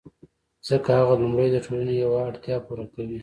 ځکه هغه لومړی د ټولنې یوه اړتیا پوره کوي